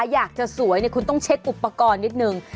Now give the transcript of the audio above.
อยากจะสวยคุณต้องเช็คอุปกรณ์นิดนึง